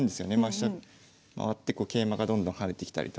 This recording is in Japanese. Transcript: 飛車回って桂馬がどんどん跳ねてきたりとか。